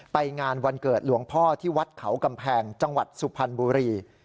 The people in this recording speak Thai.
ไปงานวันเกิดหลวงพ่อที่วัดเขากำแพงจังหวัดสุพรรณบุรี